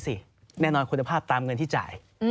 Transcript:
แน่นอนคุณภาพตามเงินที่จ่าย